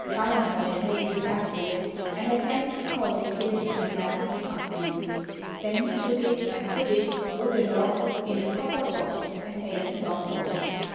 Wainamoinen hastened after it, and at length caught it hidden in a mass of punk wood. Then he took it and put it, wood and all, in a copper box and hastened off home.